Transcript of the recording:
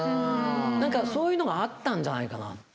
なんかそういうのがあったんじゃないかな。